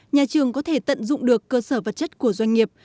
nhà trường có thể tận dụng được cơ sở vật chất của doanh nghiệp